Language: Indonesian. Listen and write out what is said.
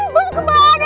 bus kemana lagi